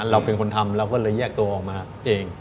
เราเป็นคนทำเราก็เลยแยกตัวออกมาเอง